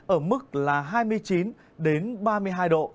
ở mức là hai mươi chín ba mươi hai độ